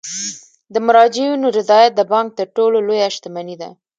د مراجعینو رضایت د بانک تر ټولو لویه شتمني ده.